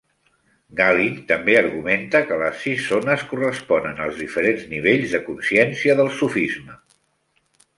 Galin també argumenta que les sis zones corresponen als diferents nivells de consciència del sufisme.